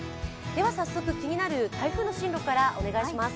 早速、気になる台風の進路からお願いします。